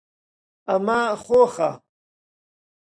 ئەمە خۆخە.